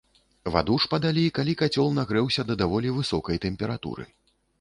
Ваду ж падалі, калі кацёл нагрэўся да даволі высокай тэмпературы.